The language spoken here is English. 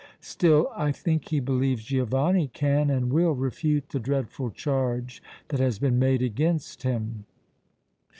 Still, I think, he believes Giovanni can and will refute the dreadful charge that has been made against him."